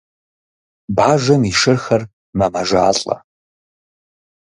Бажэм и шырхэр мэмэжалӏэ.